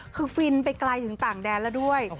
คือฟินไปไกลถึงต่างแดนแล้วด้วย